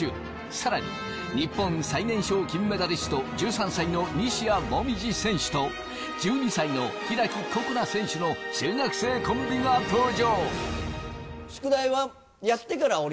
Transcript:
更に日本最年少金メダリスト１３歳の西矢選手と１２歳の開心那選手の中学生コンビが登場。